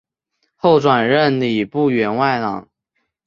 后转任礼部员外郎。